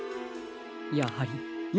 やはり４